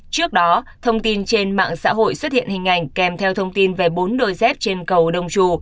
trước đó thông tin trên mạng xã hội xuất hiện hình ảnh kèm theo thông tin về bốn đôi dép trên cầu đông trù